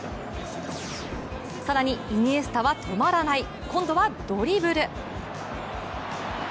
更にイニエスタは止まらない、今度はドリブル。